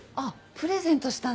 プレゼントしたんだ。